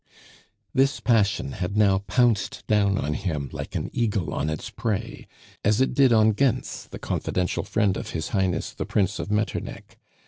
This passion had now pounced down on him like an eagle on its prey, as it did on Gentz, the confidential friend of His Highness the Prince of Metternich.